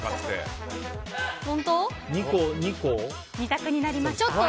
２択になりましたか？